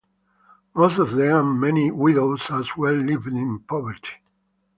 Most of them-and many widows as well-lived in poverty.